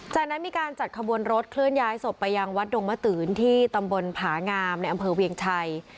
จากนั้นมีการจัดขบวนรถเคลื่อนย้ายศพไปยังวัดดงมะตืนที่ตำบลผางามในอำเภอเวียงชัย